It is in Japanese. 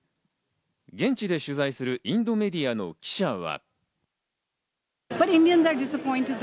現地で取材するインドメディアの記者は。